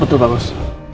betul pak bos